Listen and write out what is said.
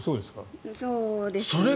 そうですね。